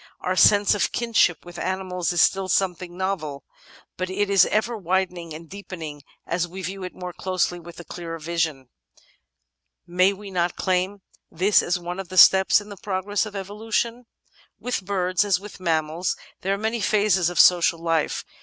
Our sense of kinship with animals is still something novel, but it is ever widening and deepening as we view it more closely and with clearer vision : may we not claim this as one of the steps in the progress of Evolution? With birds, as with mammals, there are many phases of social life.